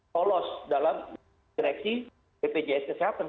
lolos dalam direksi bpjs kesehatan